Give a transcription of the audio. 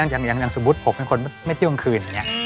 อย่างสมมติผมเป็นคนไม่เที่ยวกลางคืน